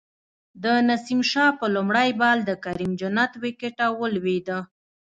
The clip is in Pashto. د نسیم شاه په لومړی بال د کریم جنت وکټه ولویده